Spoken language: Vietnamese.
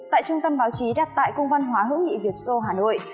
tại trung tâm báo chí đặt tại cung văn hóa hữu nghị việt sô hà nội